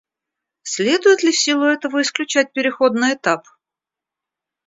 Следует ли в силу этого исключать переходный этап?